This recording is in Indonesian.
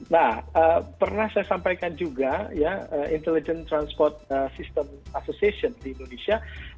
nah pernah saya sampaikan juga ya intelligent transport system association di indonesia